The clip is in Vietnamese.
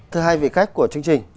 thứ hai vị khách của chương trình